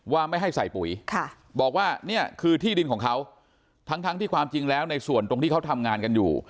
ว่าไม่ให้ใส่ปุ๋ยบอกว่าเนี่ยคือที่ดินของเขาทั้งที่ความจริงแล้วในส่วนตรงที่เขาทำงานกันอยู่